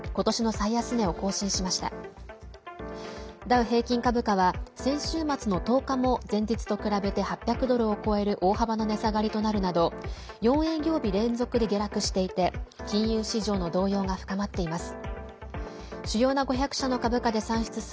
ダウ平均株価は先週末の１０日も前日と比べて８００ドルを超える大幅な値下がりとなるなど４営業日連続で下落していて金融市場の動揺が深まっています。